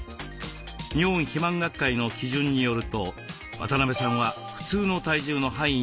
日本肥満学会の基準によると渡邊さんは普通の体重の範囲に収まっています。